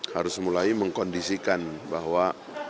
harus mulai mengkondisikan bahwa